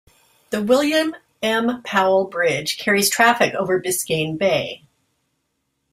The William M. Powell Bridge carries traffic over Biscayne Bay.